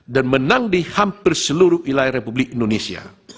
dan menang di hampir seluruh wilayah republik indonesia